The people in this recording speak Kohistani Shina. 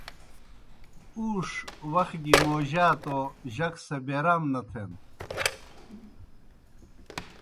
اُوݜ وخ گیْ موجِیا توْ جک سہ بیرام نہ تھین۔